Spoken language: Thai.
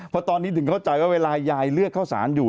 เพราะตอนนี้ถึงเข้าใจว่าเวลายายเลือกเข้าสารอยู่